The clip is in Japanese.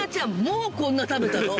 もうこんな食べたの？